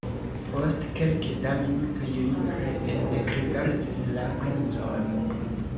Post kelke da minutoj li ree ekrigardis la princon.